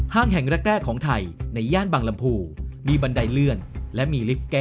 ห้างแห่งแรกแรกของไทยในย่านบังลำพูมีบันไดเลื่อนและมีรักษณะมากกว่า